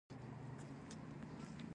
دا ځل یې توره وکړه.